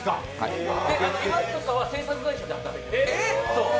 岩井とかは制作会社で働いてます。